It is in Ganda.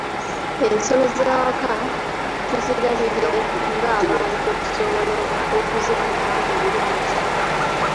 Ensolo z'awaka tuzirabirire ng'abantu okusobola okuzifunamu ebirungi.